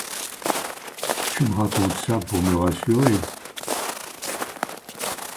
Tu me racontes ça pour me rassurer.